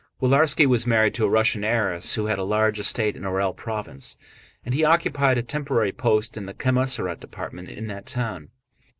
Willarski was married to a Russian heiress who had a large estate in Orël province, and he occupied a temporary post in the commissariat department in that town.